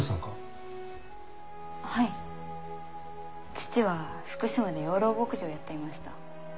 父は福島で養老牧場をやっていました。